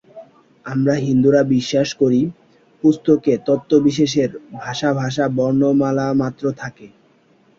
আমরা হিন্দুরা বিশ্বাস করি, পুস্তকে তত্ত্ববিশেষের ভাসা-ভাসা বর্ণনামাত্র থাকে।